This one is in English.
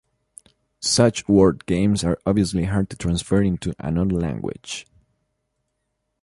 Such word games are obviously hard to transfer into another language.